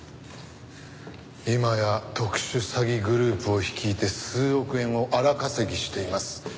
今や特殊詐欺グループを率いて数億円を荒稼ぎしています。